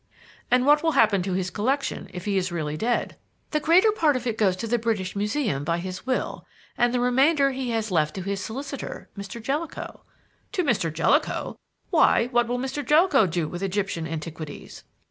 "And what will happen to his collection if he is really dead?" "The greater part of it goes to the British Museum by his will, and the remainder he has left to his solicitor, Mr. Jellicoe." "To Mr. Jellicoe! Why, what will Mr. Jellicoe do with Egyptian antiquities?"